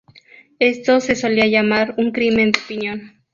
Esto se solía llamar un crimen de opinión.